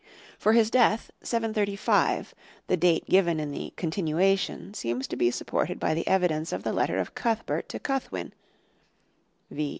For his death, 735, the date given in the "Continuation," seems to be supported by the evidence of the letter of Cuthbert to Cuthwin (_v.